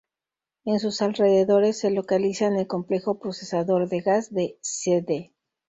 En sus alrededores, se localizan el "Complejo Procesador de Gas de "Cd.